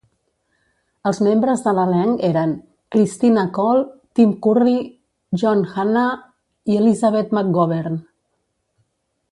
Els membres de l'elenc eren Christina Cole, Tim Curry, John Hannah i Elizabeth McGovern.